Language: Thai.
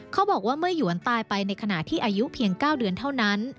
เขาบอกว่าเมื่อหยวนตายไปในขณะที่อายุเพียง๙เดือนเท่านั้น